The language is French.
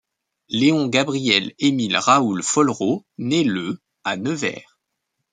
Léon Gabriel Émile Raoul Follereau naît le à Nevers.